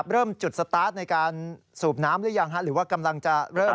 เริ่มจุดสตาร์ทในการสูบน้ำหรือยังหรือว่ากำลังจะเริ่ม